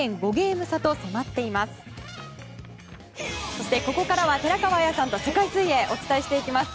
そして、ここからは寺川綾さんと世界水泳をお伝えしていきます。